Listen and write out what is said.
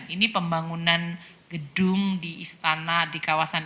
ini pembangunan gedung di istana di kawasan